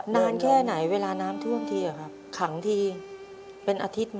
นานแค่ไหนเวลาน้ำท่วมขังที่เป็นอาทิตย์ไหม